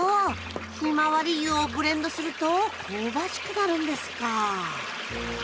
ひまわり油をブレンドすると香ばしくなるんですか